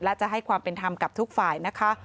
และจะให้ความเป็นธรรมกับทุกฝ่ายนะคะ